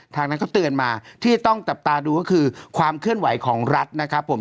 ทางนั้นก็เตือนมาที่ต้องจับตาดูก็คือความเคลื่อนไหวของรัฐนะครับผม